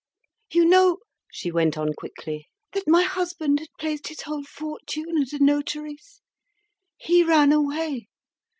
"You know," she went on quickly, "that my husband had placed his whole fortune at a notary's. He ran away.